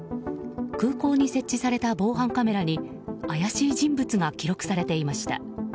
空港に設置された防犯カメラに怪しい人物が記録されていました。